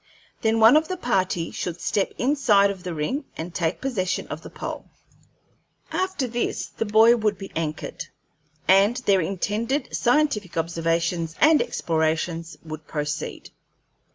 Then one of the party should step inside of the ring and take possession of the pole. After this the buoy would be anchored, and their intended scientific observations and explorations would proceed.